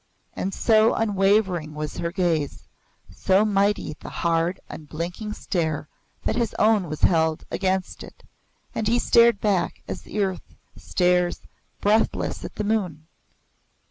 And so unwavering was her gaze, so mighty the hard, unblinking stare that his own was held against it, and he stared back as the earth stares breathless at the moon.